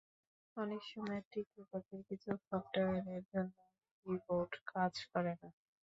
অনেক সময় তৃতীয় পক্ষের কিছু সফটওয়্যারের জন্য কি-বোর্ড কাজ করে না।